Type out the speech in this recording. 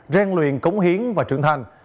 rèn luyện cống hiến và trưởng thành